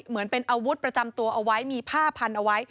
เหมือนเป็นอาวุธประจำตัวเอาไว้มีผ้าพันเอาไว้